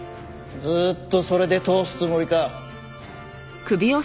ずっとそれで通すつもりか？